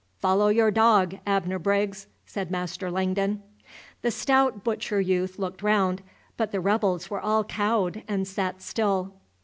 "Follow your dog, Abner Briggs!" said Master Langdon. The stout butcher youth looked round, but the rebels were all cowed and sat still.